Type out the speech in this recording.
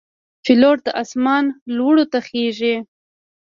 پیلوټ د آسمان لوړو ته خېژي.